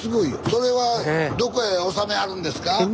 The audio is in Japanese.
それはどこへおさめはるんですか？